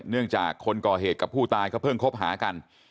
เนื่องจากคนก่อเหตุกับผู้ตายเขาเพิ่งคบหากัน